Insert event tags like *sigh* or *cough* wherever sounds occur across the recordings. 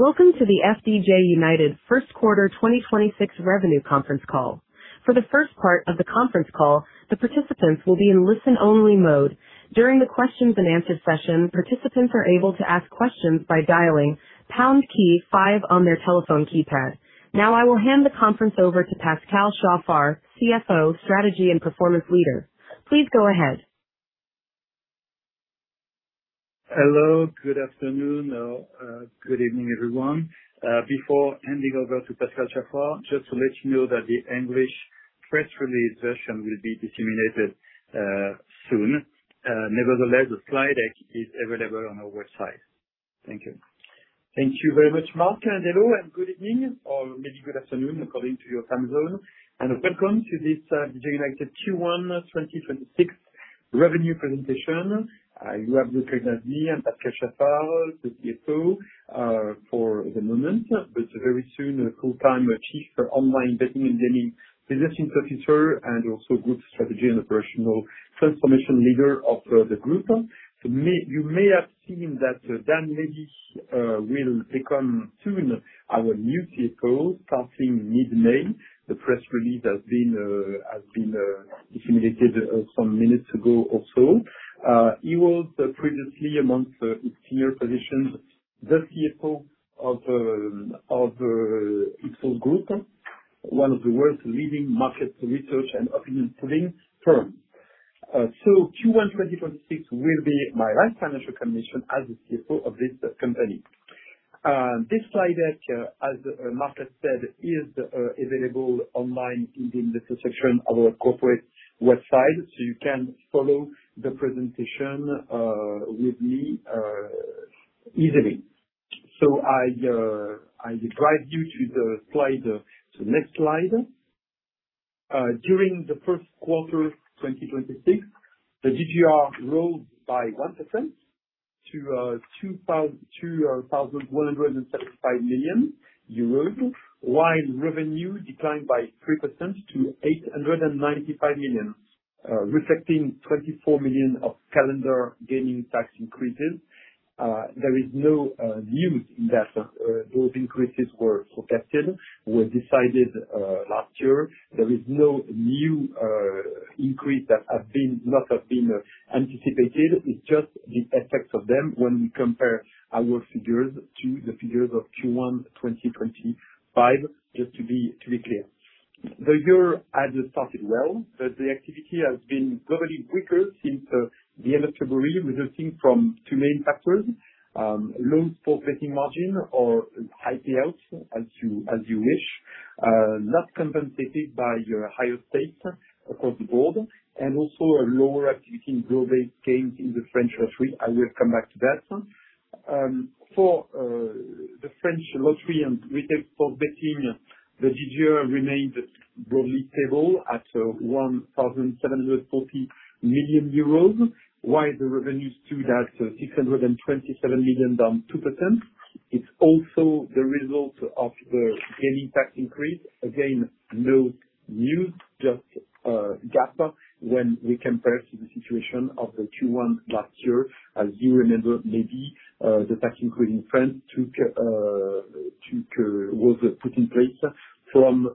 Welcome to the FDJ United first quarter 2026 revenue conference call. For the first part of the conference call, the participants will be in listen-only mode. During the questions-and-answers session, participants are able to ask questions by dialing pound key five on their telephone keypad. Now I will hand the conference over to Pascal Chaffard, CFO, Strategy and Performance Leader. Please go ahead. Hello. Good afternoon or good evening, everyone. Before handing over to Pascal Chaffard, just to let you know that the English press release version will be disseminated soon. Nevertheless, the slide deck is available on our website. Thank you. Thank you very much, Marc, and hello and good evening, or maybe good afternoon, according to your time zone, and welcome to this FDJ United Q1 2026 revenue presentation. You have recognized me. I'm Pascal Chaffard, the CFO for the moment, but very soon, full-time Chief Online Betting and Gaming Business Officer, and also Group Strategy and Operational Transformation Leader of the group. You may have seen that Dan Lévy will become soon our new CFO, starting mid-May. The press release has been disseminated some minutes ago or so. He was previously, among his senior positions, the CFO of Ipsos Group, one of the world's leading market research and opinion polling firms. Q1 2026 will be my last financial position as the CFO of this company. This slide deck, as Marc has said, is available online in the investor section of our corporate website, so you can follow the presentation with me easily. I guide you to the next slide. During the first quarter of 2026, the GGR rose by 1% to 2,175 million euros, while revenue declined by 3% to 895 million, reflecting 24 million of calendar gaming tax increases. There is no news in that. Those increases were expected, were decided last year. There is no new increase that has not been anticipated. It's just the effects of them when we compare our figures to the figures of Q1 2025, just to be clear. The year had started well, but the activity has been gradually weaker since the end of February, resulting from two main factors. Low sports betting margin or IPL, as you wish, not compensated by your higher stakes across the board, and also a lower activity in draw-based games in the French Lottery. I will come back to that. For the French lottery and retail sports betting, the GGR remained broadly stable at 1,740 million euros, while the revenues stood at 627 million, down 2%. It's also the result of the gaming tax increase. Again, no news, just a gap when we compare to the situation of the Q1 last year. As you remember, maybe, the tax increase in France was put in place from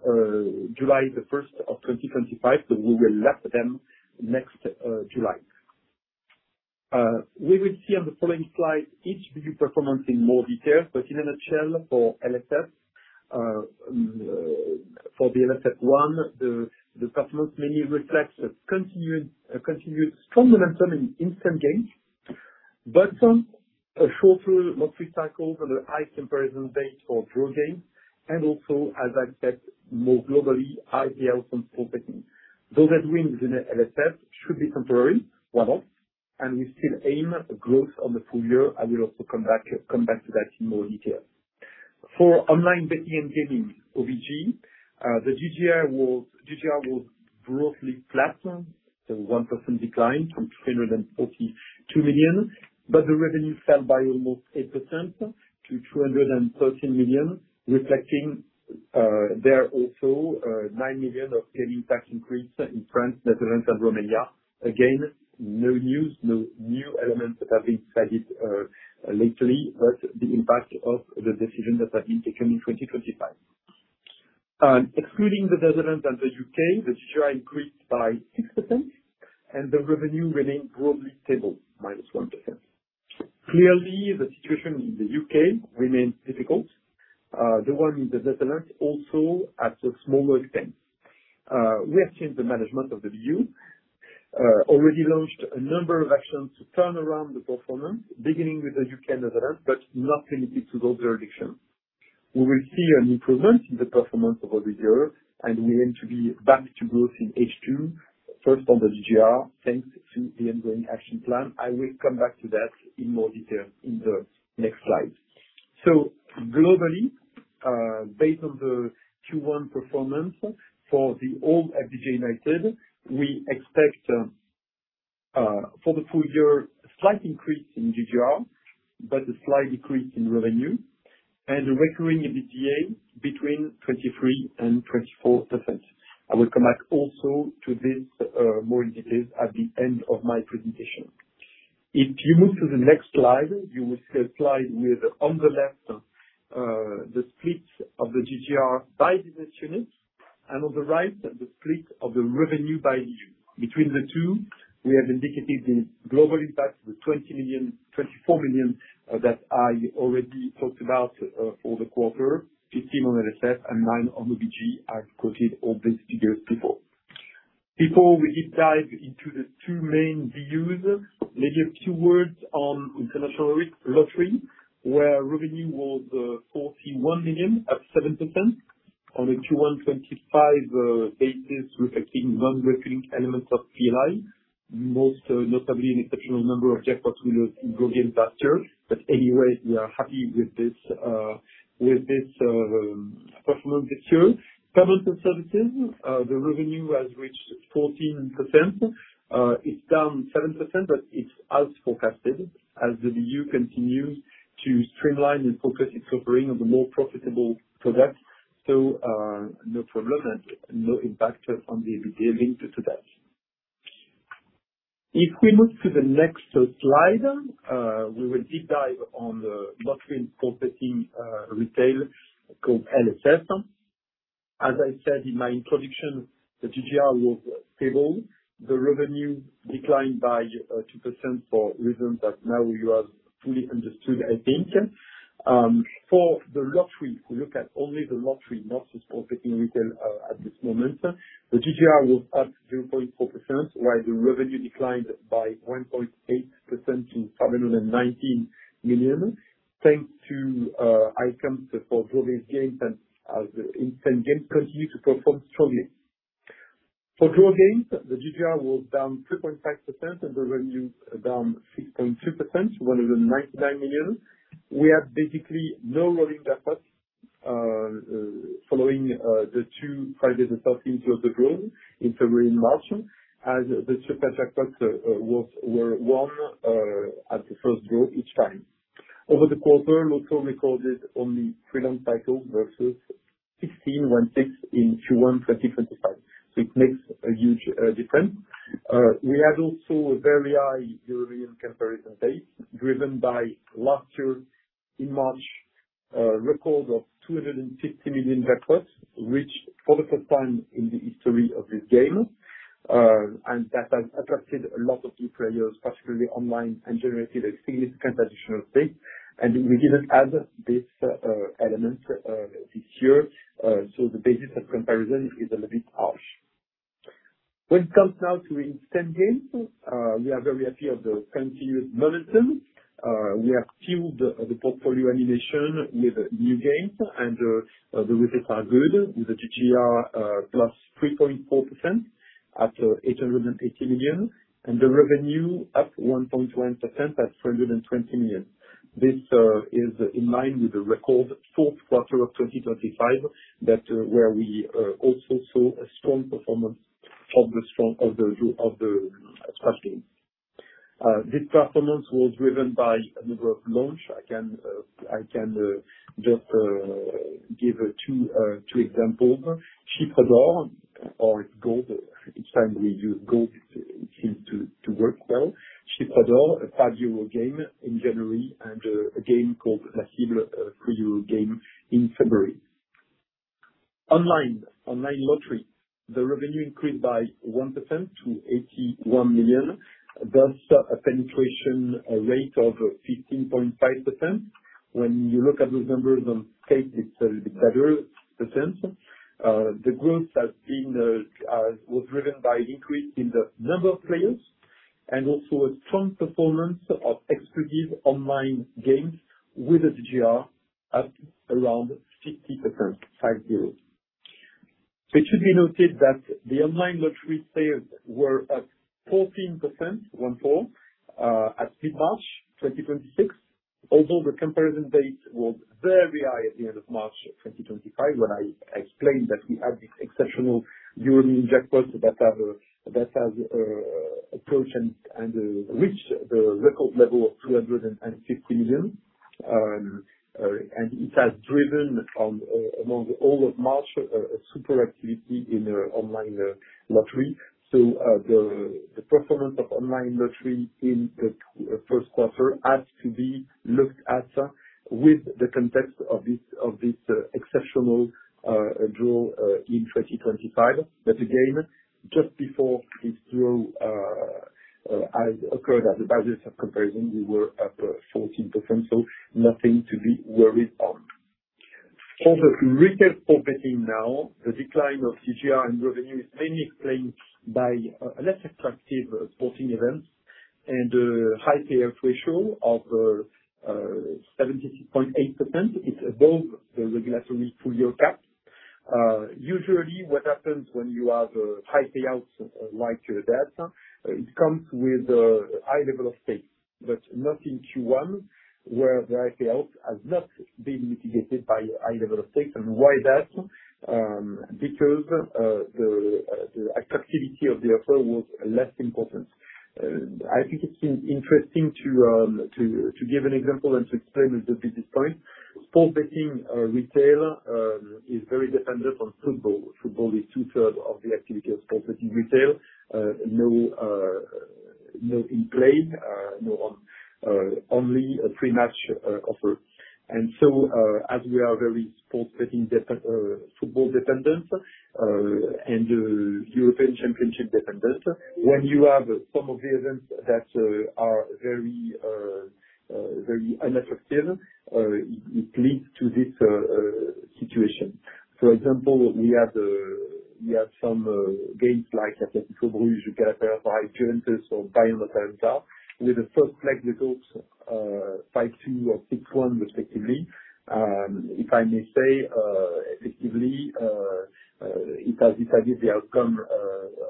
July 1st of 2025, so we will lap them next July. We will see on the following slide each business performance in more detail, but in a nutshell, for LSF. For the LSF one, the performance mainly reflects a continued strong momentum in instant games, but some shorter lottery cycles and a high comparison base for draw games, and also, as I said, more globally, IPL from sports betting. Those headwinds in LSF should be temporary, one-off, and we still aim at growth on the full year. I will also come back to that in more detail. For online betting and gaming, OBG, the GGR was broadly flat, a 1% decline from 342 million, but the revenue fell by almost 8% to 213 million, reflecting there also 9 million of gaming tax increase in France, Netherlands, and Romania. Again, no news, no new elements that have been decided lately, but the impact of the decisions that have been taken in 2025. Excluding the Netherlands and the U.K., the GGR increased by 6%, and the revenue remained broadly stable, -1%. Clearly, the situation in the U.K. remains difficult. The one in the Netherlands also, at a smaller extent. We have changed the management of the BU, already launched a number of actions to turn around the performance, beginning with the U.K. and Netherlands, but not limited to those jurisdictions. We will see an improvement in the performance over the year, and we aim to be back to growth in H2, first on the GGR, thanks to the ongoing action plan. I will come back to that in more detail in the next slide. Globally, based on the Q1 performance for the old FDJ United, we expect, for the full year, a slight increase in GGR, but a slight decrease in revenue, and a recurring EBITDA between 23%-24%. I will come back also to this more in detail at the end of my presentation. If you move to the next slide, you will see a slide with on the left, the split of the GGR by business unit, and on the right, the split of the revenue by BU. Between the two, we have indicated the global impact, the 24 million that I already talked about for the quarter, 15 million on LSF and 9 million on the OBG. I've quoted all these figures before. Before we deep dive into the two main BUs, maybe a few words on international lottery, where revenue was 41 million, up 7% on a Q1 2025 basis, reflecting non-recurring elements of PI, most notably an exceptional number of jackpots with draw game last year. Anyways, we are happy with this performance this year. Payments and services, the revenue has reached 14%. It's down 7%, but it's as forecasted as the BU continues to streamline and focus its offering on the more profitable products. No problem and no impact on the EBITDA linked to that. If we move to the next slide, we will deep dive on the lottery and sports betting retail called LSF. As I said in my introduction, the GGR was stable. The revenue declined by 2% for reasons that now you have fully understood, I think. For the lottery, if we look at only the lottery, not the sports betting retail at this moment, the GGR was up 0.4%, while the revenue declined by 1.8% to 719 million, thanks to items for draw-based games and as the instant games continue to perform strongly. For draw games, the GGR was down 3.5% and the revenue down 6.2% to 199 million. We had basically no rolling jackpot following the two Fridays and Saturdays of the draw in February and March, as the super jackpots were won at the first draw each time. Over the quarter, Loto recorded only three non-cycles versus 16 wins in Q1 2025. It makes a huge difference. We had also a very high year-on-year comparison base, driven by last year in March, a record of 250 million jackpot, reached for the first time in the history of this game. That has attracted a lot of new players, particularly online, and generated a significant additional stake, and we didn't have this element this year, so the basis of comparison is a little bit harsh. When it comes now to instant games, we are very happy with the continued momentum. We have fueled the portfolio animation with new games and the results are good with the GGR +3.4% at 880 million, and the revenue up 1.1% at 420 million. This is in line with the record fourth quarter of 2025, where we also saw a strong performance of the scratch games. This performance was driven by a number of launches. I can just give two examples. Ticket d'Or or gold, each time we use gold, it seems to work well. Ticket d'Or, a *inaudible* game in January, and a game called La Cible, a *inaudible* game in February. Online lottery, the revenue increased by 1% to 81 million, thus a penetration rate of 15.5%. When you look at the numbers on stake, it's a little bit better percent. The growth was driven by increase in the number of players and also a strong performance of exclusive online games with a GGR up around 60%. *inaudible* It should be noted that the online lottery players were up 14%, one-fourth, as did March 2026, although the comparison date was very high at the end of March 2025, when I explained that we had this exceptional year-over-year jackpot that has approached and reached the record level of 250 million. It has driven, among all of March, a super activity in online lottery. The performance of online lottery in the first quarter has to be looked at with the context of this exceptional draw in 2025. Again, just before this draw has occurred, at the values of comparison, we were up 14%, so nothing to be worried of. Over to retail sports betting now. The decline of GGR and revenue is mainly explained by less attractive sporting events and a high payout ratio of 76.8%. It's above the regulatory two-year cap. Usually, what happens when you have high payouts like that, it comes with a high level of stake, but not in Q1, where the high payout has not been mitigated by high level of stake. Why that? Because the activity of the offer was less important. I think it's interesting to give an example and to explain a little bit this point. Sports betting retail is very dependent on football. Football is two-thirds of the activity of sports betting retail. No in-play, only a pre-match offer. As we are very sports betting, football dependent, and European Championship dependent, when you have some of the events that are very ineffective, it leads to this situation. For example, we had some games like Club Brugge, Galatasaray, Juventus, or Bayer Leverkusen, with the first leg results 5-2 or 6-1 respectively. If I may say, effectively, it has decided the outcome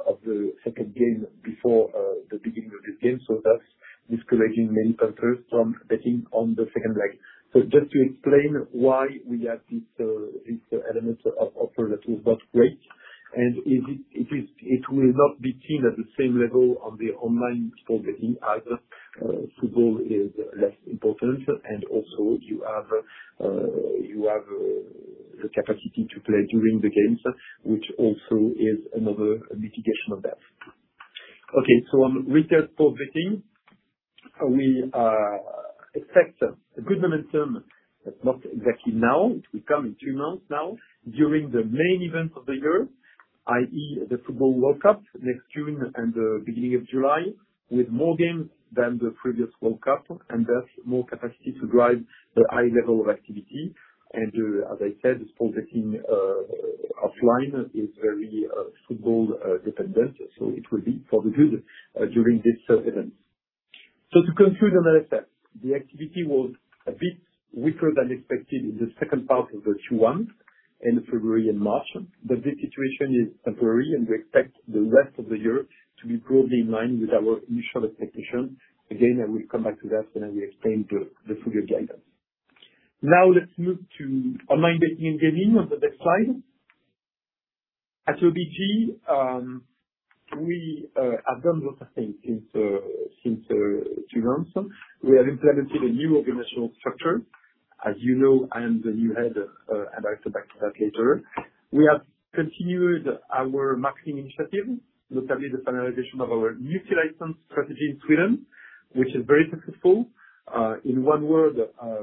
of the second game before the beginning of this game, so that's discouraging many countries from betting on the second leg. Just to explain why we have these elements of offer that was not great, and it will not be seen at the same level on the online sports betting either. Football is less important, and also you have the capacity to play during the games, which also is another mitigation of that. Okay. On retail sports betting, we expect a good momentum, but not exactly now. It will come in three months now, during the main event of the year, i.e., the Football World Cup next June and the beginning of July, with more games than the previous World Cup, and thus more capacity to drive the high level of activity. As I said, sports betting offline is very football-dependent, so it will be probably good during this event. To conclude on that effect, the activity was a bit weaker than expected in the second part of the Q1, in February and March. This situation is temporary, and we expect the rest of the year to be broadly in line with our initial expectations. Again, I will come back to that when I explain the full year guidance. Now let's move to online betting and gaming on the next slide. At OBG, we have done lots of things since three months. We have implemented a new organizational structure. As you know, I am the new head, and I'll come back to that later. We have continued our marketing initiative, notably the finalization of our new license strategy in Sweden, which is very successful. In one word,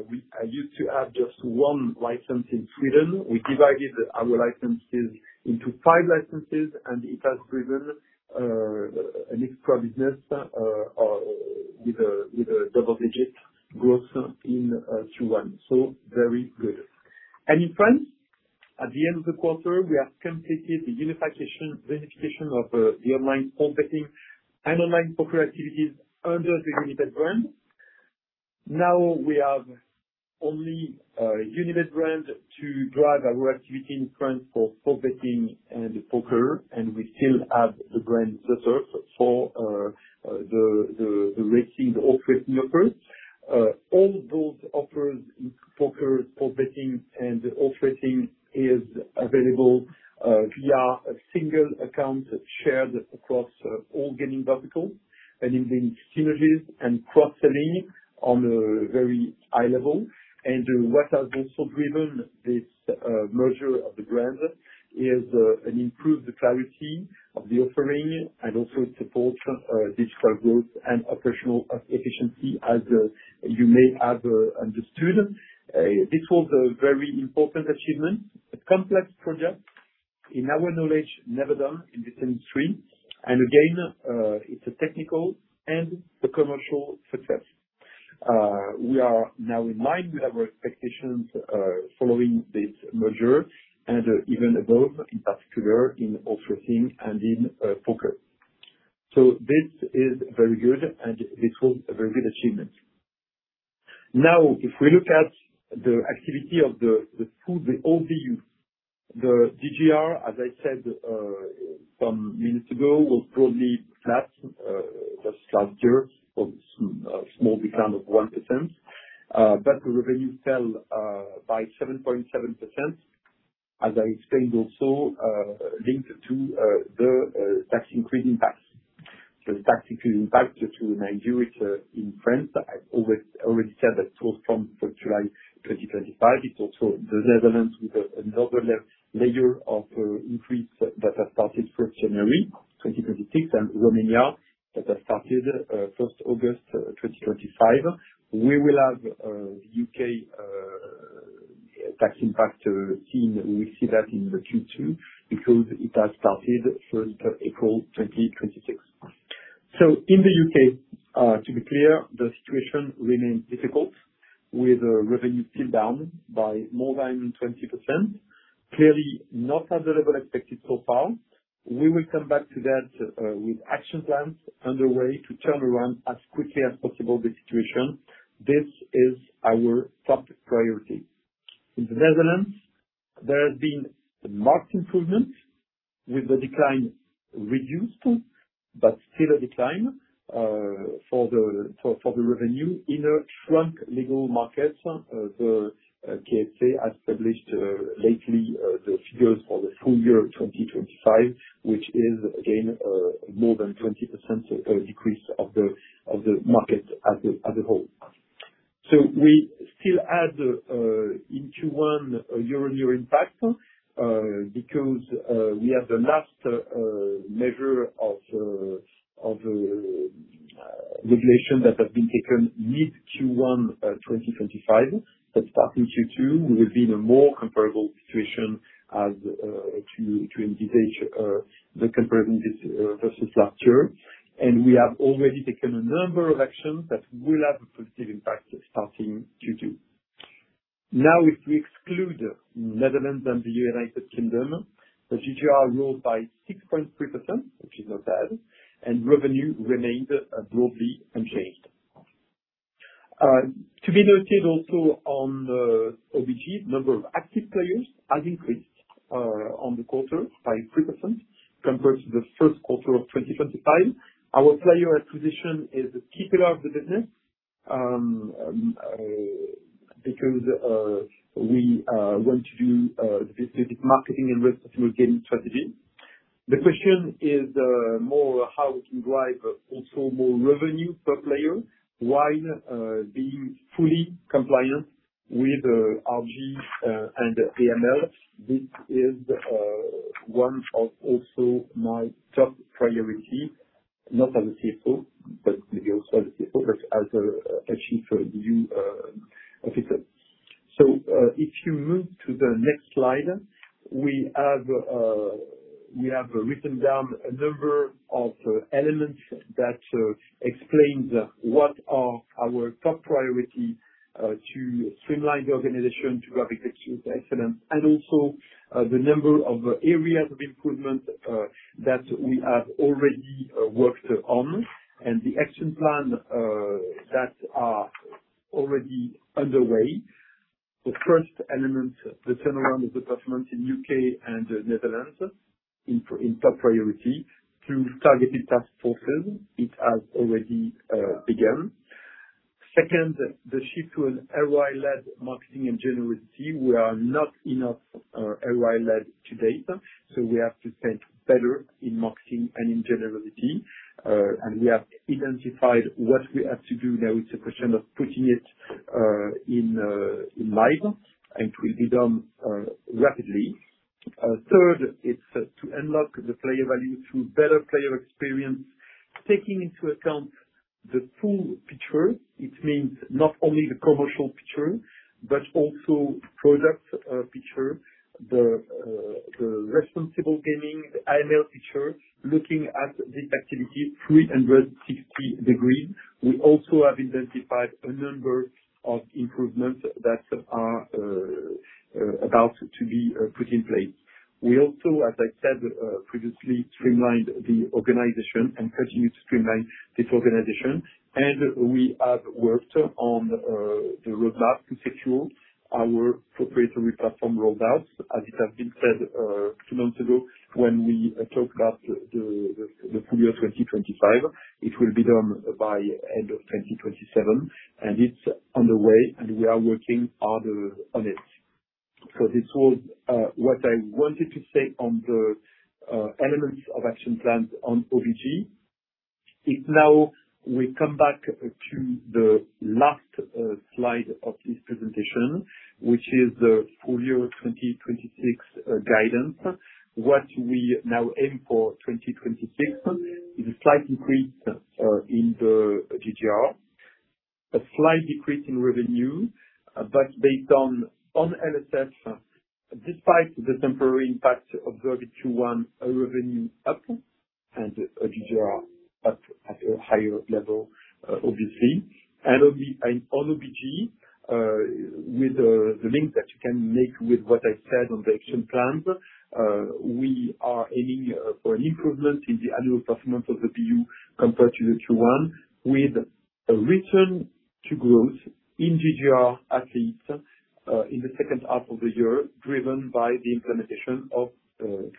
we used to have just one license in Sweden. We divided our licenses into five licenses, and it has driven an extra business with a double-digit growth in Q1. Very good. In France, at the end of the quarter, we have completed the unification of the online sports betting and online poker activities under the Unibet brand. Now we have only Unibet brand to drive our activity in France for sports betting and poker, and we still have the brand ZEturf for the racing, the horse racing offers. All those offers in poker, sports betting, and horse racing is available via a single account shared across all gaming verticals and enabling synergies and cross-selling on a very high level. What has also driven this merger of the brands is an improved clarity of the offering and also it supports digital growth and operational efficiency, as you may have understood. This was a very important achievement, a complex project, in our knowledge never done in this industry. Again, it's a technical and a commercial success. We are now in line with our expectations following this merger and even above, in particular in horse racing and in poker. This is very good, and this was a very good achievement. Now, if we look at the activity of the full year, the OBG, the GGR, as I said some minutes ago, was probably flat year-over-year or a small decline of 1%, but the revenue fell by 7.7%, as I explained also, linked to the tax increase impact. The tax increase impact to Nigeria, in France, I've already said that goes from July 2025. It's also the Netherlands with another layer of increase that has started January 1st, 2026, and Romania that has started August 1st, 2025. We will have U.K. tax impact seen. We see that in the Q2 because it has started April 1st, 2026. In the U.K., to be clear, the situation remains difficult, with revenue still down by more than 20%. Clearly, not at the level expected so far. We will come back to that with action plans underway to turn around as quickly as possible the situation. This is our top priority. In the Netherlands, there has been a marked improvement with the decline reduced, but still a decline for the revenue in a shrunk legal market. The KSA has published lately the figures for the full year 2025, which is again more than 20% decrease of the market as a whole. We still had, in Q1, a year-on-year impact because we have the last measure of the regulation that has been taken mid Q1 2025. Starting Q2, we will be in a more comparable situation to engage the comparison versus last year. We have already taken a number of actions that will have a positive impact starting Q2. Now, if we exclude the Netherlands and the United Kingdom, the GGR grew by 6.3%, which is not bad, and revenue remained broadly unchanged. To be noted also on OBG, number of active players has increased on the quarter by 3% compared to the first quarter of 2025. Our player acquisition is a pillar of the business, because we want to do this marketing and responsible gaming strategy. The question is more how we can drive also more revenue per player while being fully compliant with RG and AML. This is one of also my top priority, not as a CFO, but maybe also as a CFO, but as a Chief *inaudible* Officer. If you move to the next slide, we have written down a number of elements that explain what are our top priority to streamline the organization, to replicate excellence, and also the number of areas of improvement that we have already worked on and the action plan that are already underway. The first element, the turnaround of the performance in U.K. and Netherlands in top priority through targeted task forces. It has already begun. Second, the shift to an ROI-led marketing and generosity. We are not enough ROI-led to date, so we have to spend better in marketing and in general. We have identified what we have to do. Now it's a question of putting it live, and it will be done rapidly. Third, it's to unlock the player value through better player experience, taking into account the full picture. It means not only the commercial picture but also product picture, the responsible gaming, the AML picture. Looking at this activity 360 degrees, we also have identified a number of improvements that are about to be put in place. We also, as I said previously, streamlined the organization and continue to streamline this organization. We have worked on the roadmap to secure our proprietary platform roadmaps, as it has been said two months ago when we talked about the full year 2025. It will be done by end of 2027, and it's underway, and we are working hard on it. This was what I wanted to say on the elements of action plans on OBG. If now we come back to the last slide of this presentation, which is the full year 2026 guidance. What we now aim for 2026 is a slight increase in the GGR, a slight decrease in revenue, but based on LSS, despite the temporary impact of the Q1 revenue up and GGR up at a higher level, obviously. On OBG, with the link that you can make with what I said on the action plan, we are aiming for an improvement in the annual performance of the BU compared to the Q1 with a return to growth in GGR at least in the second half of the year, driven by the implementation of the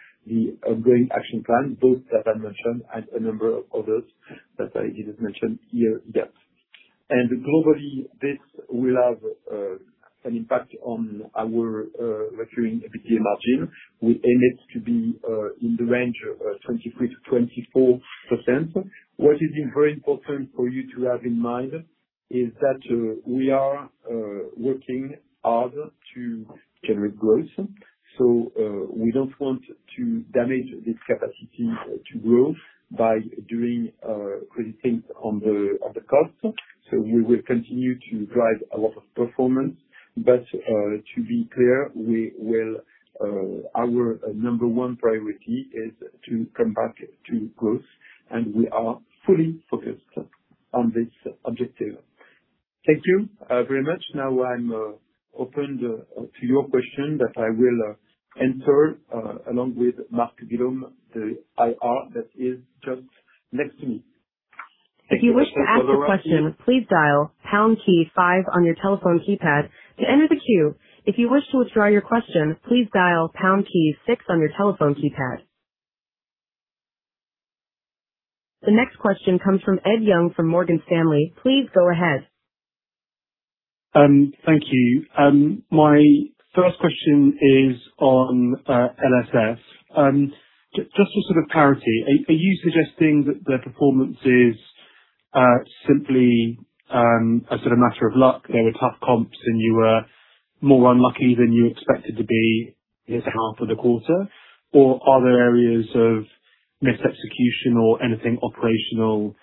ongoing action plan, both that I mentioned and a number of others that I didn't mention here yet. Globally, this will have an impact on our recurring EBITDA margin. We aim it to be in the range of 23%-24%. What is very important for you to have in mind is that we are working hard to generate growth. We don't want to damage this capacity to growth by creating costs. We will continue to drive a lot of performance. To be clear, our number one priority is to come back to growth, and we are fully focused on this objective. Thank you very much. Now I'm open to your question that I will answer along with Marc Willaume, the IR that is just next to me. If you wish to ask a question, please dial pound key five on your telephone keypad to enter the queue. If you wish to withdraw your question, please dial pound key six on your telephone keypad. The next question comes from Ed Young from Morgan Stanley. Please go ahead. Thank you. My first question is on LSS. Just for sort of clarity, are you suggesting that the performance is simply a matter of luck, there were tough comps and you were more unlucky than you expected to be this half of the quarter, or are there areas of mis-execution or anything operational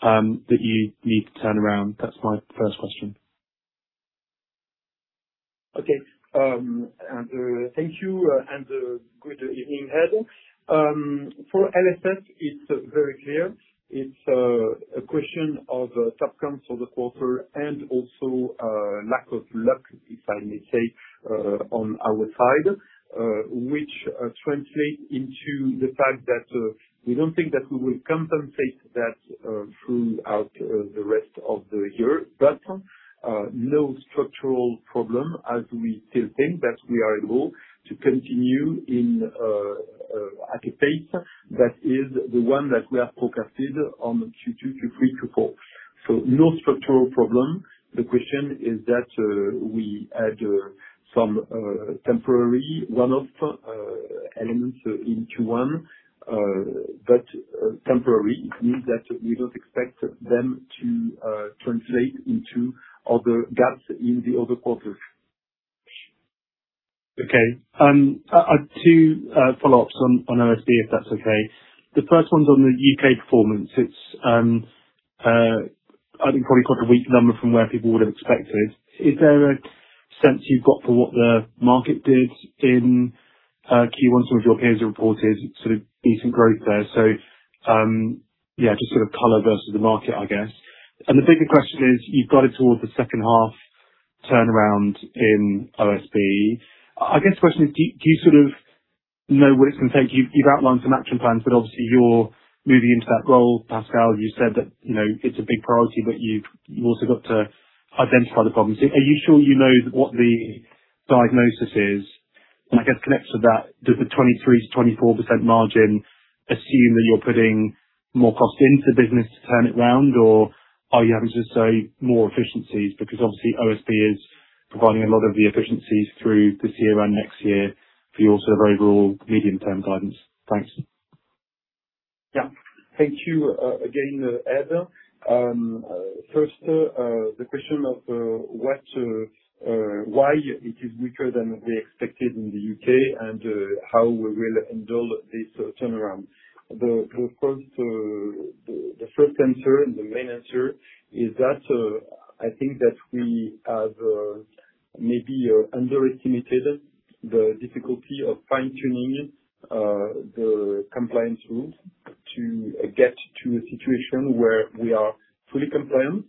that you need to turn around? That's my first question. Okay. Thank you, and good evening, Ed. For LSS, it's very clear. It's a question of tough comps for the quarter and also lack of luck, if I may say, on our side, which translates into the fact that we don't think that we will compensate that throughout the rest of the year. No structural problem, as we still think that we are able to continue in at a pace that is the one that we have forecasted on Q2, Q3, Q4. No structural problem. The question is that we had some temporary one-off elements in Q1, but temporary. It means that we don't expect them to translate into other gaps in the other quarters. Okay. Two follow-ups on [OBG], if that's okay. The first one's on the U.K. performance. It's, I think probably quite a weak number from where people would have expected. Is there a sense you've got for what the market did in Q1? Some of your peers have reported decent growth there. Yeah, just sort of color versus the market, I guess. The bigger question is, you've got it towards the second half turnaround in OBG. I guess the question is, do you sort of know what it's going to take? You've outlined some action plans, but obviously you're moving into that role, Pascal. You said that it's a big priority, but you've also got to identify the problems. Are you sure you know what the diagnosis is? I guess connected to that, does the 23%-24% margin assume that you're putting more cost into the business to turn it around? Or are you having to say more efficiencies? Because obviously OBG is providing a lot of the efficiencies through this year and next year for your sort of overall medium-term guidance. Thanks. Yeah. Thank you again, Ed. First, the question of why it is weaker than we expected in the U.K. and how we will ensure this turnaround. Of course, the first answer and the main answer is that I think that we have maybe underestimated the difficulty of fine-tuning the compliance rules to get to a situation where we are fully compliant,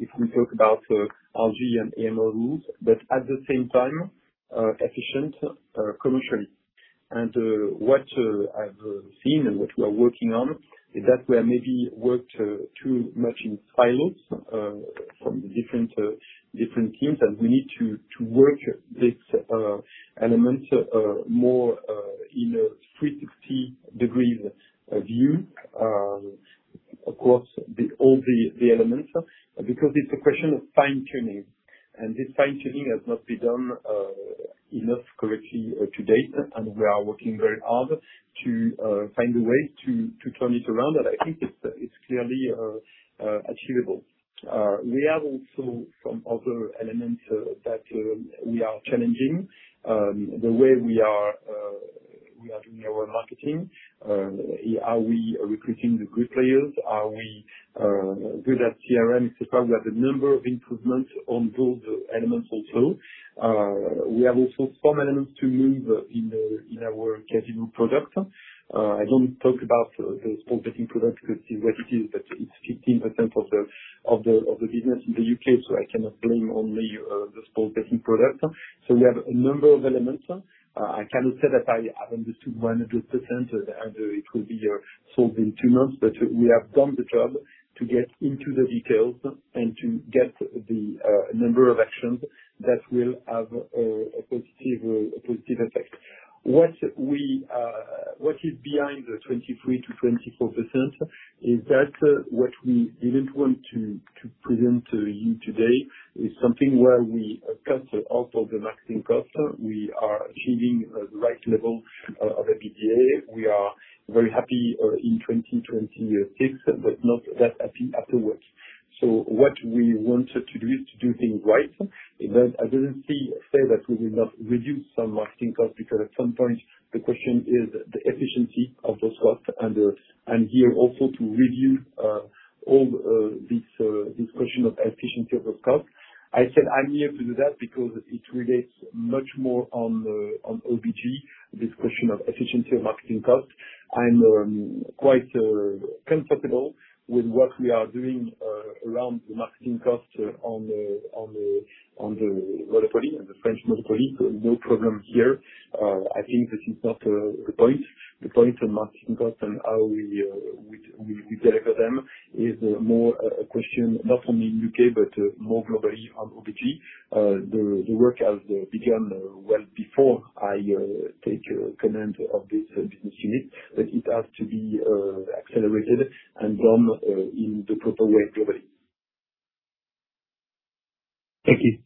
if we talk about RG and AML rules, but at the same time, efficient commercially. What I've seen and what we are working on is that we have maybe worked too much in silos from different teams, and we need to work this element more in a 360-degree view across all the elements, because it's a question of fine-tuning. This fine-tuning has not been done enough correctly to date, and we are working very hard to find a way to turn it around. I think it's clearly achievable. We have also some other elements that we are challenging. The way we are doing our marketing. Are we recruiting the good players? With that CRM system, we have a number of improvements on those elements also. We have also some elements to move in our casual product. I don't talk about the sports betting product, what it is, but it's 15% of the business in the U.K., so I cannot blame only the sports betting product. We have a number of elements. I cannot say that I have understood 100% and it will be solved in two months, but we have done the job to get into the details and to get the number of actions that will have a positive effect. What is behind the 23%-24% is that what we didn't want to present to you today is something where we cut out all the marketing costs. We are achieving the right level of EBITDA. We are very happy in 2026, but not that happy afterwards. What we wanted to do is to do things right. It doesn't say that we will not reduce some marketing costs, because at some point the question is the efficiency of those costs and here also to review all this question of efficiency of those costs. I said I'm here to do that because it relates much more on OBG, this question of efficiency of marketing costs. I'm quite comfortable with what we are doing around the marketing costs on the Monopoly, on the French Monopoly. No problem here. I think this is not the point. The point of marketing costs and how we deliver them is more a question, not only in U.K., but more globally on OBG. The work has begun well before I take command of this business unit, but it has to be accelerated and done in the proper way globally. Thank you.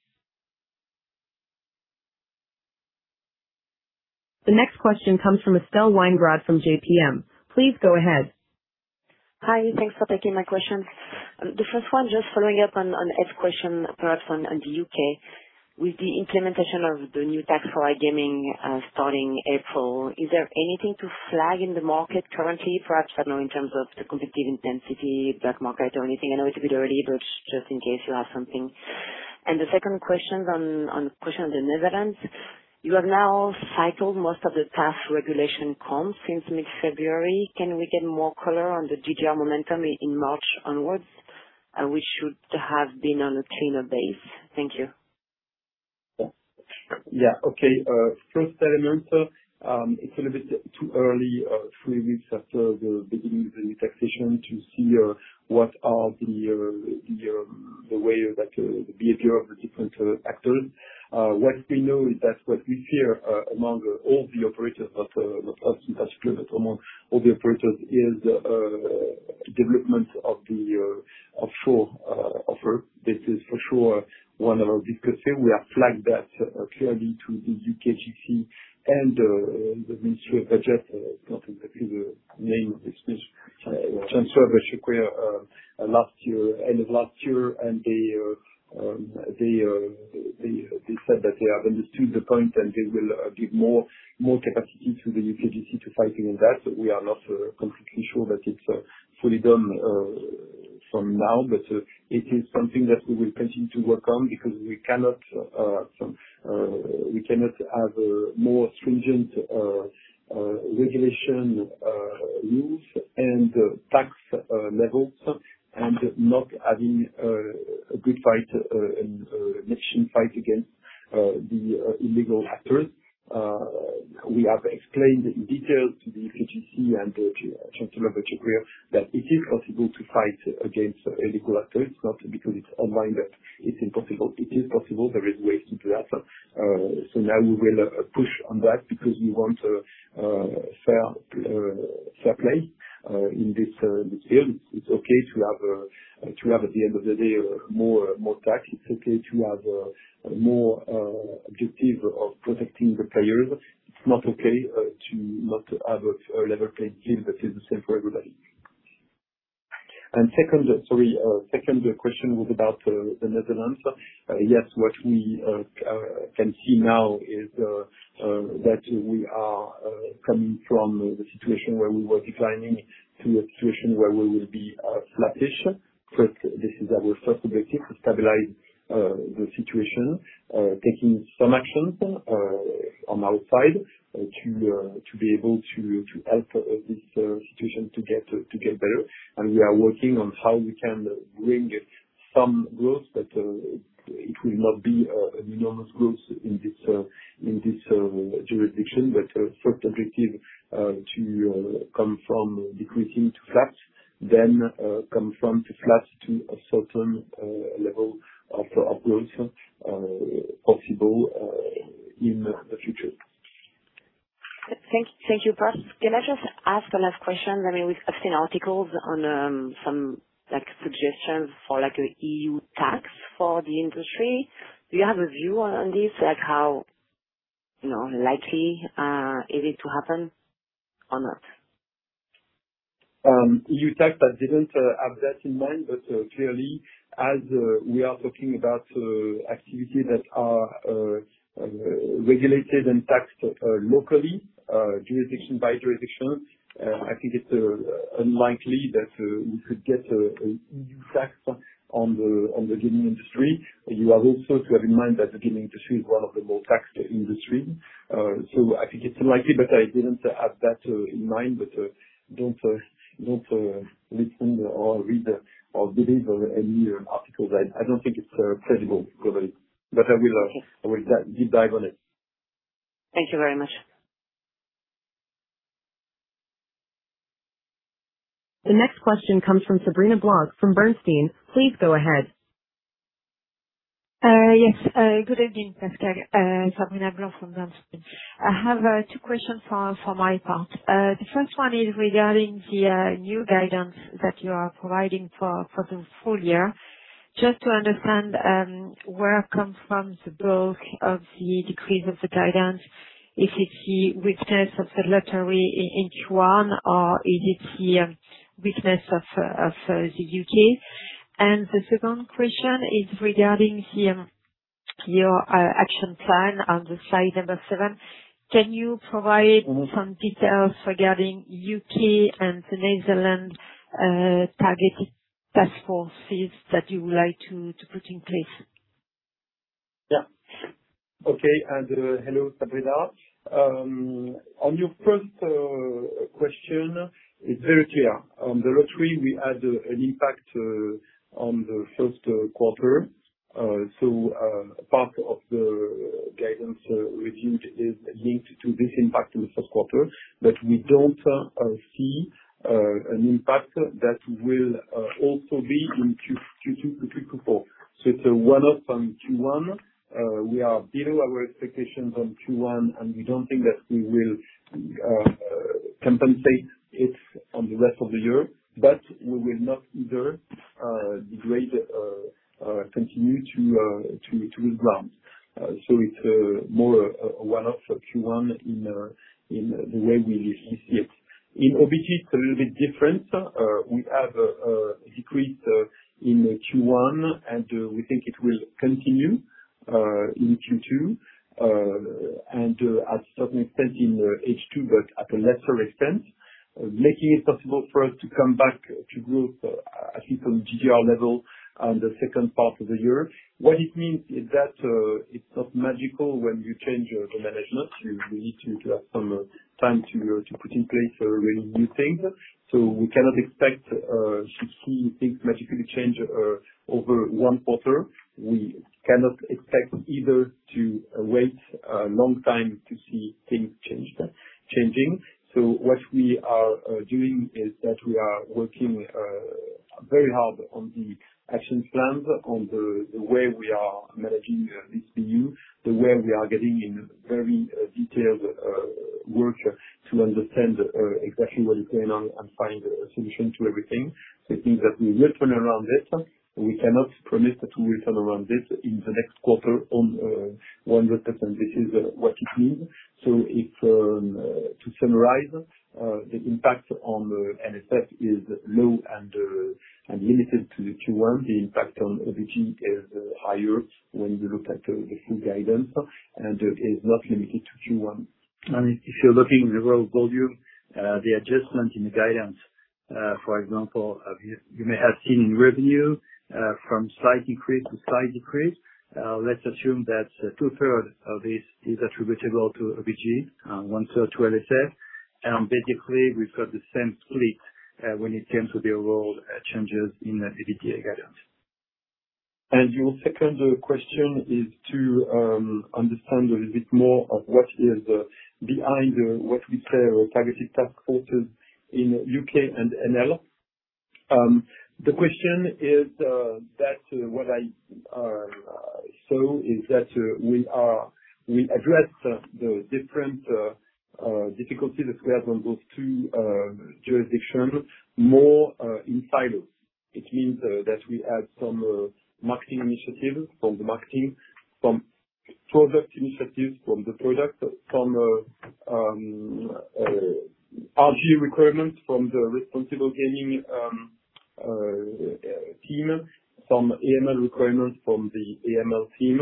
The next question comes from Estelle Weingrod from JPM. Please go ahead. Hi. Thanks for taking my question. The first one, just following up on Ed's question, perhaps, on the U.K. With the implementation of the new tax for iGaming starting April, is there anything to flag in the market currently? Perhaps, I don't know, in terms of the competitive intensity, black market or anything. I know it's a bit early, but just in case you have something. The second question on the question of the Netherlands. You have now cycled most of the past regulation comp since mid-February. Can we get more color on the GGR momentum in March onwards? Which should have been on a cleaner base. Thank you. Yeah. Okay. First element, it's a little bit too early, three weeks after the beginning of the new taxation to see what are the behavior of the different actors. What we know is that what we fear among all the operators, *inaudible* but among all the operators, is development of the offshore offer. This is for sure one of our big concern. We have flagged that clearly to the UKGC and the Ministry of Budget. I can't remember exactly the name of this minister. *inaudible* end of last year. They said that they have understood the point, and they will give more capacity to the UKGC to fight in that. We are not completely sure that it's fully done for now, but it is something that we will continue to work on because we cannot have more stringent regulatory rules and tax levels and not having a good fight, a matching fight against the illegal actors. We have explained in detail to the UKGC and to *inaudible* that it is possible to fight against illegal actors. It's not because it's online that it's impossible. It is possible. There is ways to do that. Now we will push on that because we want fair play in this field. It's okay to have at the end of the day, more tax. It's okay to have more objectives of protecting the players. It's not okay to not have a level playing field that is the same for everybody. Second, sorry. Second question was about the Netherlands. Yes, what we can see now is that we are coming from the situation where we were declining to a situation where we will be flattish. First, this is our first objective, to stabilize the situation, taking some actions on our side to be able to help this situation to get better. We are working on how we can bring some growth, but it will not be an enormous growth in this jurisdiction. First objective, to come from decreasing to flat, then come from flat to a certain level of growth, possible in the future. Thank you, Pascal. Can I just ask a last question? I've seen articles on some suggestions for an EU tax for the industry. Do you have a view on this? How likely is it to happen or not? EU tax, I didn't have that in mind, but clearly, as we are talking about activities that are regulated and taxed locally, jurisdiction by jurisdiction, I think it's unlikely that you could get an EU tax on the gaming industry. You have also to have in mind that the gaming industry is one of the most taxed industry. I think it's unlikely, but I didn't have that in mind. Don't listen or read or believe any articles. I don't think it's credible, probably. I will- Okay. ...deep dive on it. Thank you very much. The next question comes from Sabrina Blanc from Bernstein. Please go ahead. Yes. Good evening, Pascal. Sabrina Blanc from Bernstein. I have two questions for my part. The first one is regarding the new guidance that you are providing for the full year. Just to understand where comes from the bulk of the decrease of the guidance. Is it the weakness of the lottery in Q1, or is it the weakness of the U.K.? The second question is regarding your action plan on the slide number seven. Can you provide some details regarding U.K. and the Netherlands Illegal Gambling Taskforce that you would like to put in place? Hello, Sabrina. On your first question, it's very clear. On the lottery, we had an impact on the first quarter. Part of the guidance revised is linked to this impact in the first quarter. We don't see an impact that will also be in Q2-Q4. It's a one-off on Q1. We are below our expectations on Q1, and we don't think that we will compensate it on the rest of the year, but we will not either downgrade or continue to revise. It's more a one-off Q1 in the way we see it. In OBG, it's a little bit different. We have a decrease in Q1, and we think it will continue in Q2, and to a certain extent in H2, but to a lesser extent, making it possible for us to come back to growth, at least on GGR level, on the second part of the year. What it means is that it's not magical when you change the management. You need to have some time to put in place really new things. We cannot expect to see things magically change over one quarter. We cannot expect either to wait a long time to see things changing. What we are doing is that we are working very hard on the action plans, on the way we are managing this BU, the way we are getting into very detailed work to understand exactly what is going on and find a solution to everything. That means that we will turn around this. We cannot promise that we will turn around this in the next quarter on 100%. This is what it means. To summarize, the impact on LSF is low and limited to Q1. The impact on OBG is higher when you look at the full guidance and is not limited to Q1. If you're looking in the raw volume, the adjustment in the guidance, for example, you may have seen in revenue from slight increase to slight decrease. Let's assume that 2/3 of this is attributable to OBG, 1/3 to LSF. Basically, we've got the same split when it comes to the raw changes in the EBITDA guidance. Your second question is to understand a little bit more of what is behind what we call targeted task forces in U.K. and NL. The question is that what I saw is that we address the different difficulties that we have on those two jurisdictions more in silos. It means that we had some marketing initiatives from the marketing, some product initiatives from the product, some RG requirements from the responsible gaming team, some AML requirements from the AML team,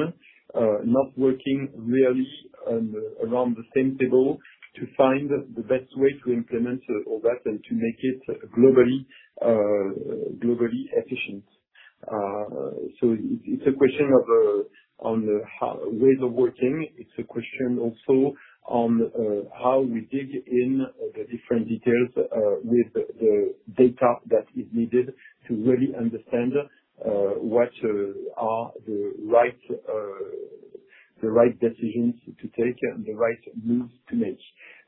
not working really around the same table to find the best way to implement all that and to make it globally efficient. It's a question of ways of working. It's a question also on how we dig in the different details with the data that is needed to really understand what are the right decisions to take and the right moves to make.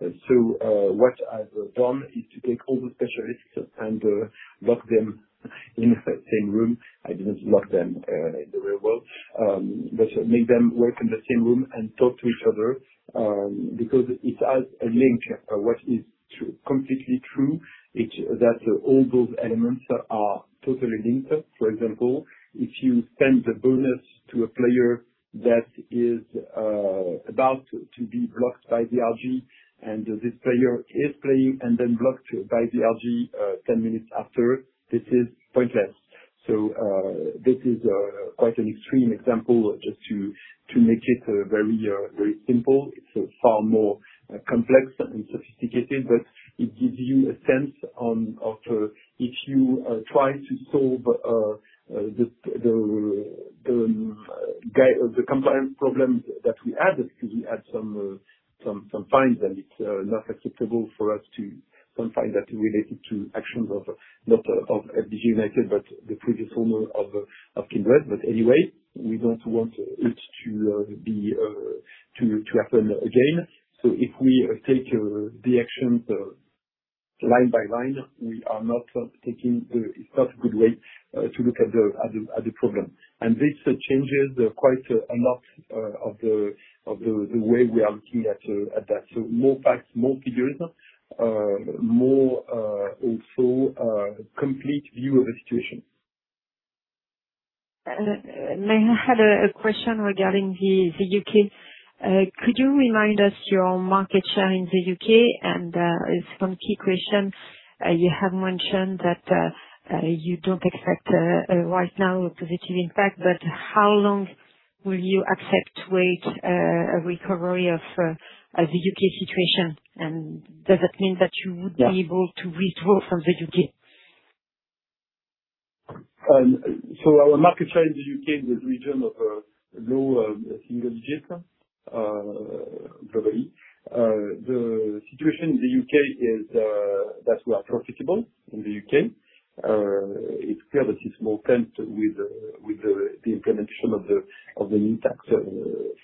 What I've done is to take all the specialists and lock them in the same room. I didn't lock them in the real world, but make them work in the same room and talk to each other, because it has a link. What is completely true is that all those elements are totally linked. For example, if you send a bonus to a player that is about to be blocked by the RG, and this player is playing and then blocked by the RG ten minutes after, this is pointless. This is quite an extreme example just to make it very simple. It's far more complex and sophisticated, but it gives you a sense on if you try to solve the compliance problems that we had, because we had some fines, and it's not acceptable for us to have fines that relate to actions not of FDJ United, but the previous owner of Kindred. Anyway, we don't want it to happen again. If we take the actions line by line, it's not a good way to look at the problem. This changes quite a lot of the way we are looking at that. More facts, more figures, more also complete view of the situation. I had a question regarding the U.K. Could you remind us your market share in the U.K.? Some key questions. You have mentioned that you don't expect right now a positive impact, but how long will you accept to wait a recovery of the U.K. situation? Does that mean that you would- Yeah. ...be able to withdraw from the U.K.? Our market share in the U.K. is in the region of low single digits, probably. The situation in the U.K. is that we are profitable in the U.K. It's clear that it's more painful, the implementation of the new tax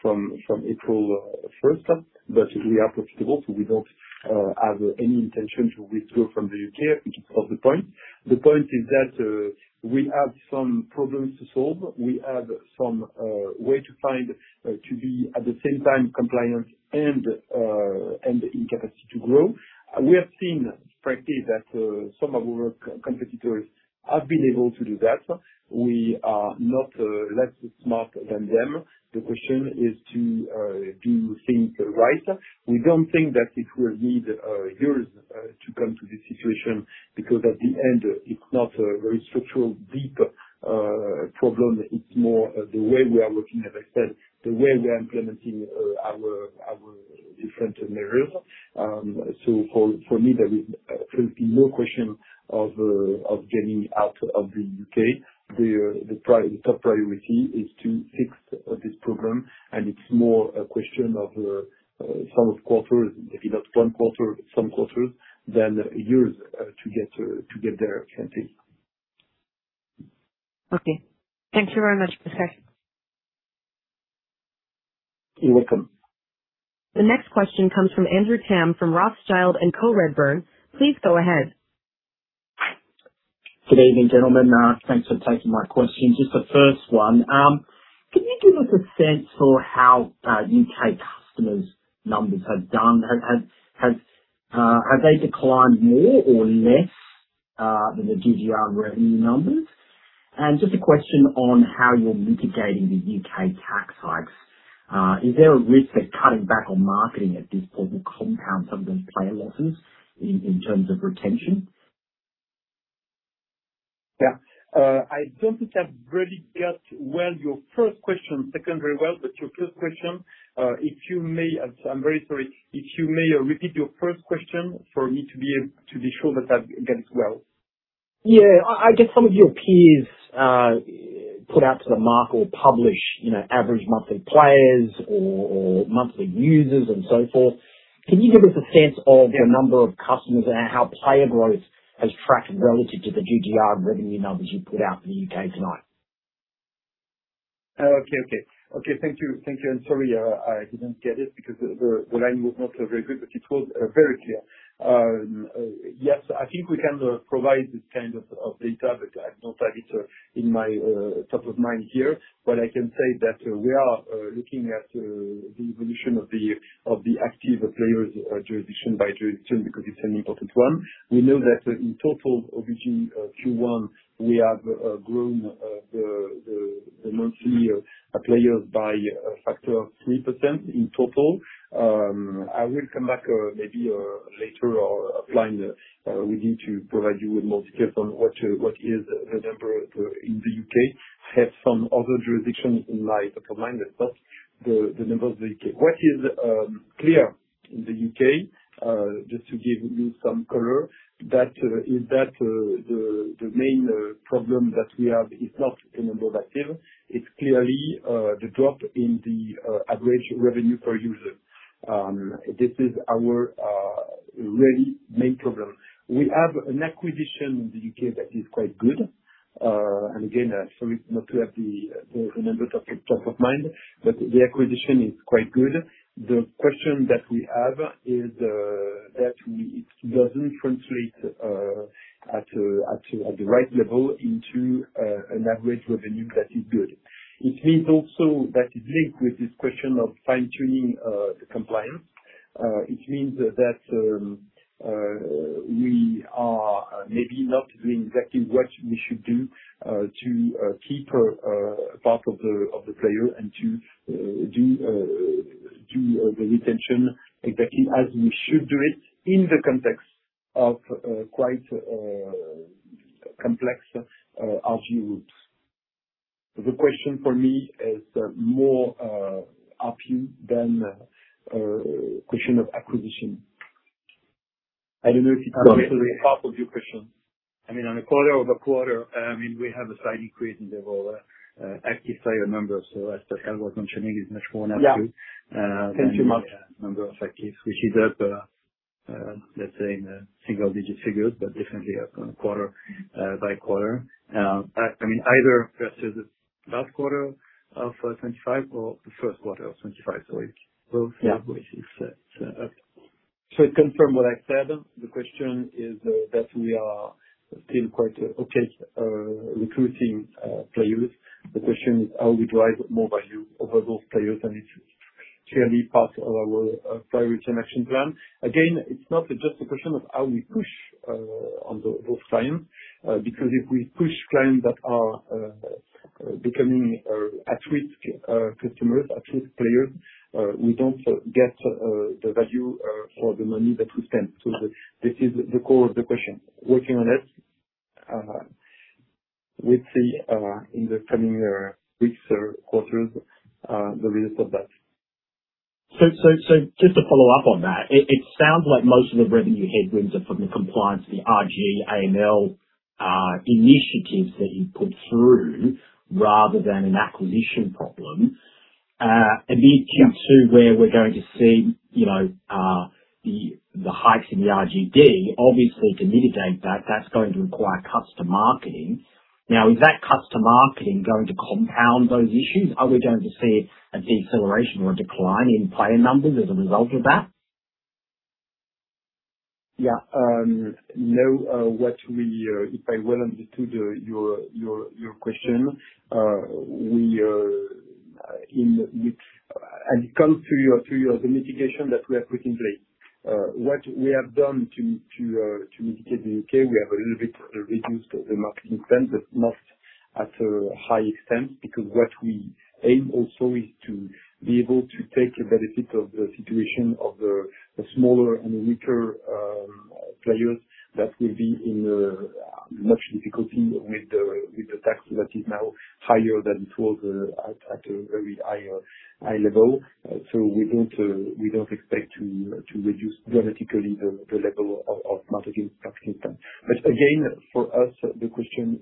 from April 1st, but we are profitable, so we don't have any intention to withdraw from the U.K. Which is off the point. The point is that we have some problems to solve. We have some ways to find to be at the same time compliant and have the capacity to grow. We have seen, frankly, that some of our competitors have been able to do that. We are not less smart than them. The question is to do things right. We don't think that it will take years to come to this situation, because in the end it's not a very structural, deep problem. It's more the way we are working, as I said, the way we are implementing our different measures. For me, there will be no question of getting out of the U.K. The top priority is to fix this program, and it's more a question of some quarters, if not one quarter, some quarters, than years to get there, I think. Okay. Thank you very much Pascal. You're welcome. The next question comes from Andrew Tam from Rothschild & Co Redburn. Please go ahead. Good evening, gentlemen. Thanks for taking my question. Just the first one. Can you give us a sense for how U.K. customer numbers have done? Have they declined more or less than the GGR revenue numbers? Just a question on how you're mitigating the U.K. tax hikes. Is there a risk that cutting back on marketing at this point will compound some of those player losses in terms of retention? Yeah. I don't think I've really got your first question second very well, but your first question, if you may, I'm very sorry. If you may repeat your first question for me to be able to be sure that I get it well. Yeah. I guess some of your peers put out to the market or publish average monthly players or monthly users and so forth. Can you give us a sense of your number of customers and how player growth has tracked relative to the GGR revenue numbers you put out for the U.K. tonight? Okay. Thank you, and sorry I didn't get it because the line was not very good, but it was very clear. Yes, I think we can provide this kind of data, but I don't have it at the top of my mind here. I can say that we are looking at the evolution of the active players jurisdiction by jurisdiction because it's an important one. We know that in total, obviously, Q1, we have grown the monthly players by 3% in total. I will come back maybe later or offline. We need to provide you with more details on what is the number in the U.K. I have some other jurisdictions in mind, but not the numbers of the U.K. What is clear in the U.K., just to give you some color, is that the main problem that we have is not in number of active. It's clearly the drop in the average revenue per user. This is our really main problem. We have an acquisition in the U.K. that is quite good. Again, sorry, not to have the numbers top of mind, but the acquisition is quite good. The question that we have is that it doesn't translate at the right level into an average revenue that is good. It means also that it's linked with this question of fine-tuning the compliance. It means that we are maybe not doing exactly what we should do to keep part of the player and to do the retention exactly as we should do it in the context of quite a complex RG groups. The question for me is more ARPU than a question of acquisition. I don't know if it answers. Part of your question. On a quarter-over-quarter, we have a slight increase in the whole active player numbers. As Pascal Chaffard mentioned, it's much more than absolute- Yeah. Thank you, Marc. The number of actives, which is up, let's say, in the single-digit figures, but definitely up quarter by quarter. Either versus the last quarter of 2025 or the first quarter of 2025. It's both ways it's set up. To confirm what I said, the question is that we are still quite okay recruiting players. The question is how we drive more value over those players, and it's clearly part of our priority and action plan. Again, it's not just a question of how we push on those clients, because if we push clients that are becoming at-risk customers, at-risk players, we don't get the value for the money that we spend. This is the core of the question. Working on it. We'll see in the coming weeks or quarters the results of that. Just to follow up on that, it sounds like most of the revenue headwinds are from the compliance, the RG/AML initiatives that you put through, rather than an acquisition problem. Q2, where we're going to see the hikes in the RGD. Obviously, to mitigate that's going to require cuts to marketing. Now, is that cuts to marketing going to compound those issues? Are we going to see a deceleration or decline in player numbers as a result of that? Yeah. No, if I well understood your question, as it comes to the mitigation that we are putting in place, what we have done to mitigate the U.K., we have a little bit reduced the marketing spend, but not at a high extent, because what we aim also is to be able to take a benefit of the situation of the smaller and weaker players that will be in much difficulty with the tax that is now higher than it was at a very high level. We don't expect to reduce dramatically the level of marketing spend. Again, for us, the question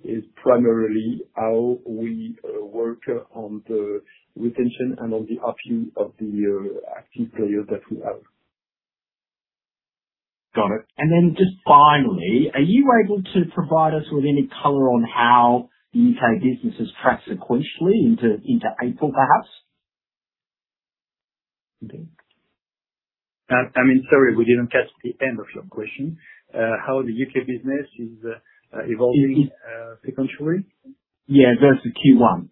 is primarily how we work on the retention and on the uplift of the active players that we have. Got it. Just finally, are you able to provide us with any color on how the U.K. business has tracked sequentially into April, perhaps? Okay. I'm sorry, we didn't catch the end of your question. How the U.K. business is evolving sequentially? Yeah, versus Q1.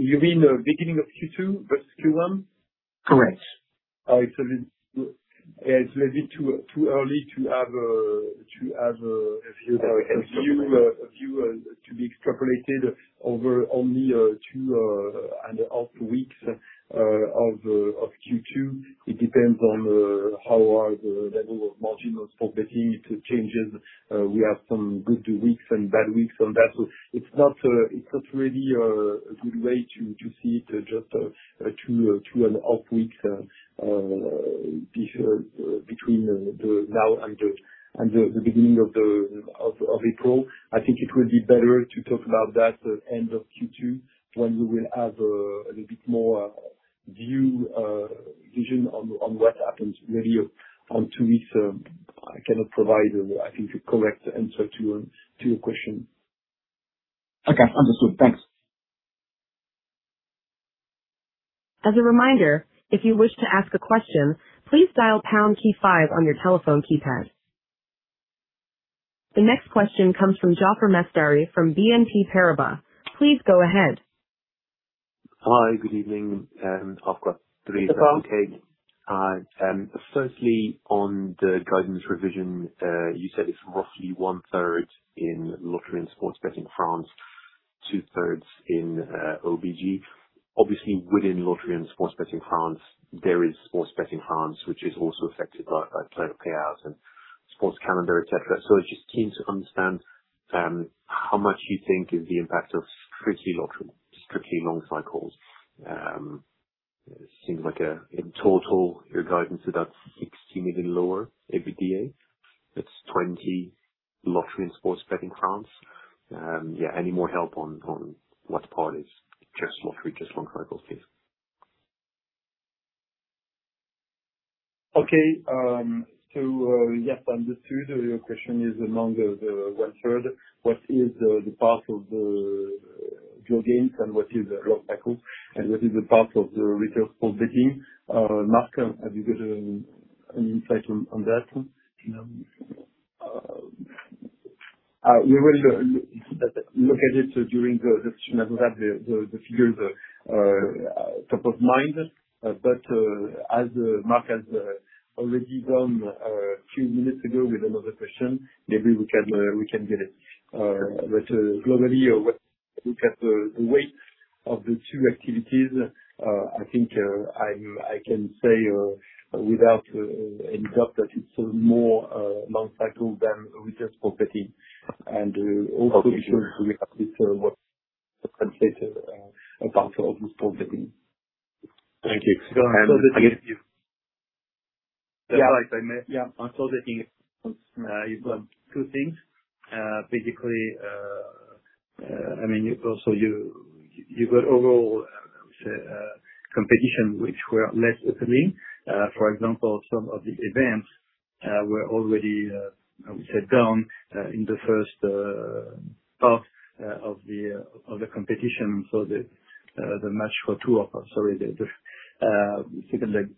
You mean the beginning of Q2 versus Q1? Correct. It's a little bit too early to have a view to be extrapolated over only two and a half weeks of Q2. It depends on how are the level of marginal property changes. We have some good weeks and bad weeks on that. It's not really a good way to see it, just two and a half weeks between now and the beginning of April. I think it will be better to talk about that end of Q2, when we will have a little bit more vision on what happens really on two weeks. I cannot provide, I think, a correct answer to your question. Okay, understood. Thanks. As a reminder, if you wish to ask a question, please dial pound key five on your telephone keypad. The next question comes from Jaafar Mestari from BNP Paribas. Please go ahead. Hi, good evening. I've got three, if I may. Good afternoon. Firstly, on the guidance revision, you said it's roughly 1/3 in lottery and sports betting France, two-thirds in OBG. Obviously, within lottery and sports betting France, there is sports betting France, which is also affected by player payouts and sports calendar, etc. I'm just keen to understand how much you think is the impact of strictly lottery, strictly long cycles. It seems like in total, your guidance is about 60 million lower EBITDA. That's 20 million lottery and sports betting France. Yeah, any more help on what part is just lottery, just long cycles please? Okay. Yes, understood. Your question is among the one-third, what is the part of the pure gains and what is long cycle, and what is the part of the retail sports betting. Marc, have you got an insight on that? No. We will look at it during the discussion. As I said, the figures are top of mind. As Marc has already done a few minutes ago with another question, maybe we can get it. Globally, look at the weight of the two activities. I think I can say without any doubt that it's more long cycle than retail sports betting. Also it should make up this what translates a part of sports betting. Thank you. Yeah. That's right. Yeah. On sports betting, you've got two things. Basically, you've got overall competition which were less appealing. For example, some of the events were already, I would say, down in the first half of the competition. The match for two of them, sorry, the second leg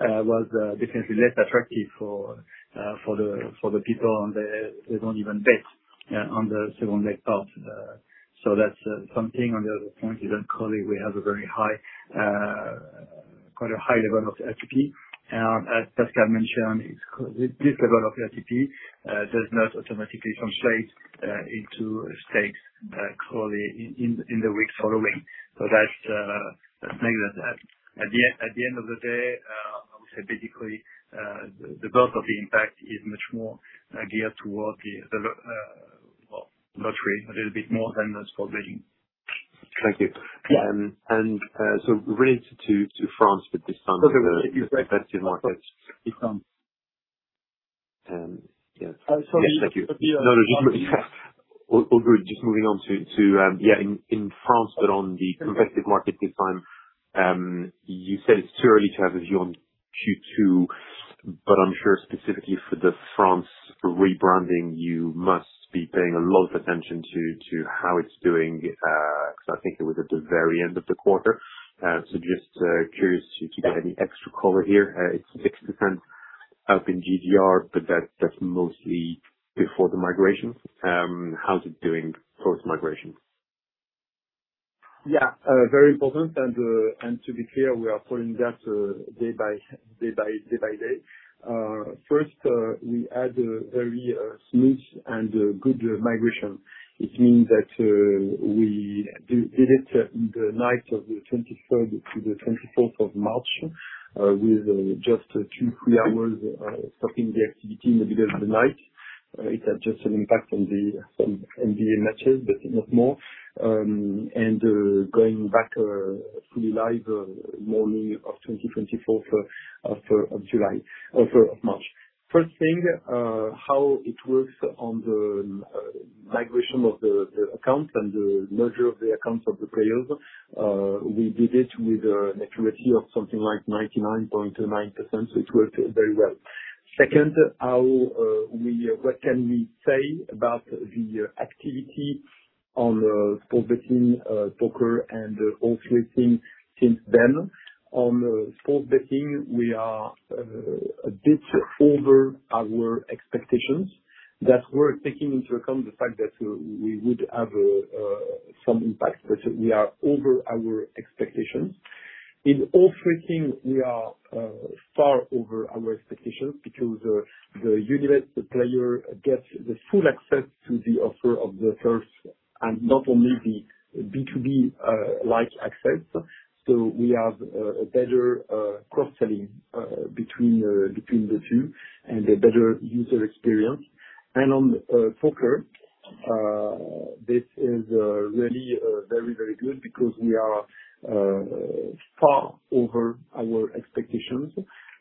was definitely less attractive for the people, and they don't even bet on the second leg part. That's something. On the other point, even currently, we have a very high level of FTP. As Pascal mentioned, this level of FTP does not automatically translate into stakes currently in the weeks following. That's things like that. At the end of the day, I would say basically, the bulk of the impact is much more geared towards the lottery a little bit more than the sports betting. Thank you. Yeah. Related to France, but this time- Okay. ...the French betting markets. Please, Jaafar. Yeah. Oh, sorry. Thank you. No, just moving on to, yeah, in France, but on the competitive market this time. You said it's too early to have a view on Q2, but I'm sure specifically for the France rebranding, you must be paying a lot of attention to how it's doing. Because I think it was at the very end of the quarter. Just curious to get any extra color here. It's 6% up in GGR, but that's mostly before the migration. How is it doing post-migration? Yeah. Very important. To be clear, we are following that day by day. First, we had a very smooth and good migration. It means that, we did it in the night of the March 23-24, with just two to three hours stopping the activity in the middle of the night. It had just an impact on the NBA matches, but not more. Going back fully live, morning of March 24th. First thing, how it works on the migration of the accounts and the merger of the accounts of the players. We did it with an accuracy of something like 99.9%, so it worked very well. Second, what can we say about the activity on sports betting, poker, and offerings since then? On sports betting, we are a bit over our expectations. We're taking into account the fact that we would have some impact, but we are over our expectations. In offerings, we are far over our expectations because the Unibet player gets the full access to the offer of the first, and not only the B2B-like access. We have a better cross-selling between the two and a better user experience. On poker, this is really very good because we are far over our expectations.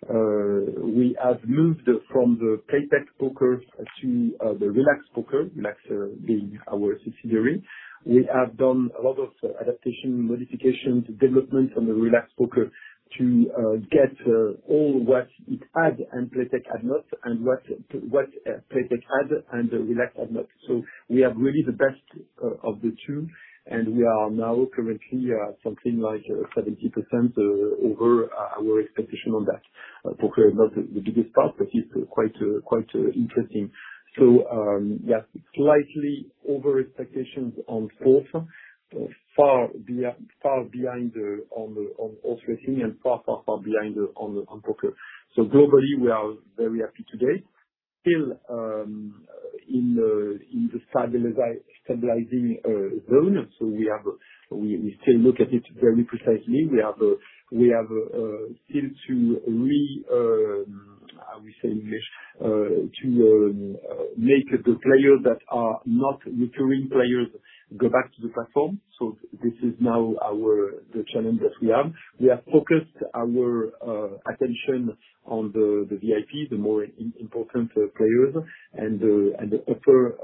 We have moved from the Playtech poker to the Relax poker, Relax being our subsidiary. We have done a lot of adaptation, modifications, developments on the Relax poker to get all what it had and Playtech had not, and what Playtech had and Relax had not. We have really the best of the two, and we are now currently something like 70% over our expectation on that. Poker is not the biggest part, but it's quite interesting. Slightly over expectations on sports. Far behind on offerings and far behind on poker. Globally, we are very happy today. Still in the stabilizing zone, and we still look at it very precisely. We still have to make the players that are not returning players go back to the platform. This is now the challenge that we have. We have focused our attention on the VIP, the more important players, and the upper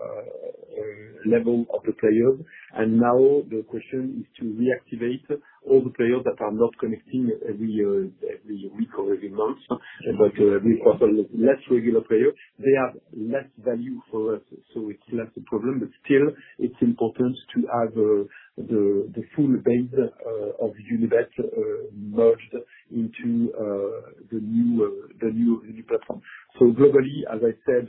level of the players. Now the question is to reactivate all the players that are not connecting every week or every month, also less regular players. They have less value for us, so it's less a problem. Still, it's important to have the full base of Unibet merged into the new platform. Globally, as I said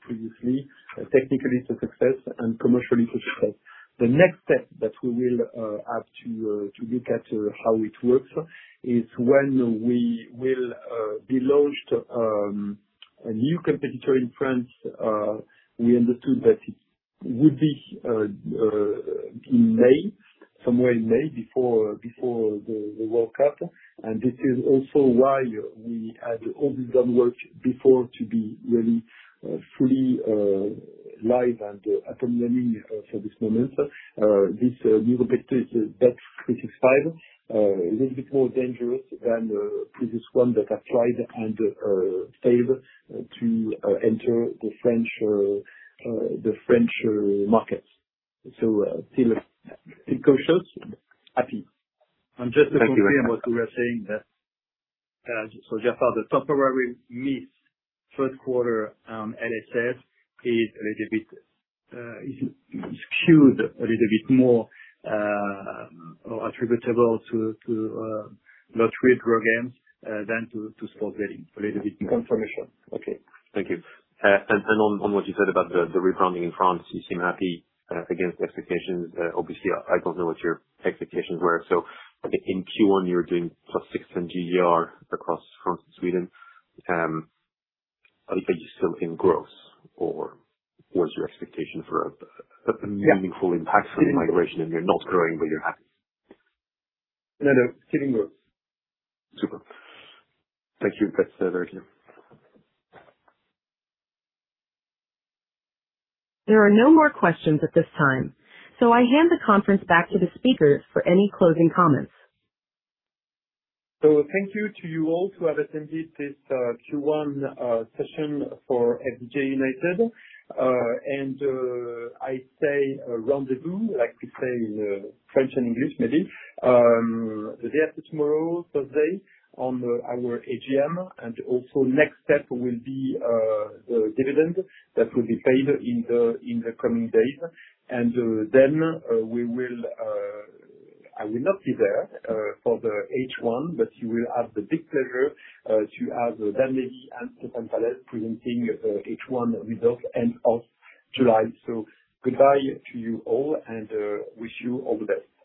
previously, technically it's a success, and commercially it's a success. The next step that we will have to look at how it works is when we will be launched. A new competitor in France, we understood that it would be in May, somewhere in May, before the World Cup. This is also why we had all this done work before to be really fully live and up and running for this moment. This new competitor is Bet365. A little bit more dangerous than the previous one that had tried and failed to enter the French markets. Still cautious, happy. Thank you. Just to confirm what you are saying, that for the temporary miss first quarter LSS is a little bit skewed, a little bit more attributable to lottery programs than to sports betting. Confirmation. Okay. Thank you. On what you said about the rebranding in France, you seem happy against the expectations. Obviously, I don't know what your expectations were. I think in Q1 you're doing +16% GGR across France and Sweden. Are you still in growth or what's your expectation for a- Yeah. ...meaningful impact from the migration and you're not growing, but you're happy. No, no. Still in growth. Super. Thank you. That's very clear. There are no more questions at this time. I hand the conference back to the speakers for any closing comments. Thank you to you all who have attended this Q1 session for FDJ United. I say rendezvous, like we say in French and English, maybe. The day after tomorrow, Thursday, on our AGM. Also next step will be the dividend that will be paid in the coming days. Then I will not be there for the H1, but you will have the big pleasure to have Daniel and Stéphane Pallez presenting H1 results end of July. Goodbye to you all, and wish you all the best.